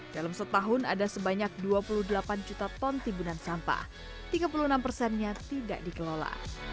dalam setahun ada sebanyak dua puluh delapan juta ton timbunan sampah tiga puluh enam persennya tidak dikelola